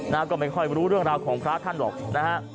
นะฮะก็ไม่ค่อยรู้เรื่องราวของพระท่านหรอกนะฮะ